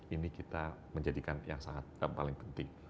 ini kita menjadikan yang paling penting